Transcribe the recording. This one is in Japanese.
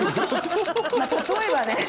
例えばね。